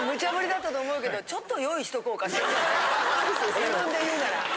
自分で言うなら。